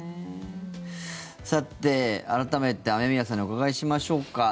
さて、改めて雨宮さんにお伺いしましょうか。